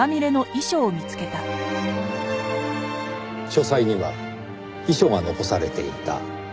書斎には遺書が残されていた。